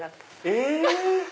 え⁉